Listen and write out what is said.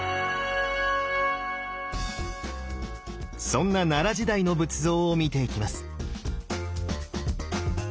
そんな奈良時代の仏像を見ていきます。